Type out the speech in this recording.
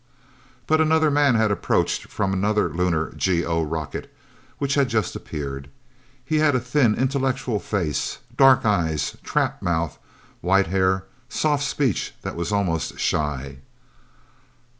But another man had approached from another lunar GO rocket, which had just appeared. He had a thin intellectual face, dark eyes, trap mouth, white hair, soft speech that was almost shy.